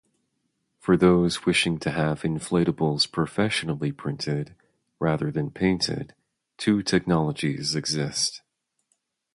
For those wishing to have inflatables professionally printed, rather than painted, two technologies exist.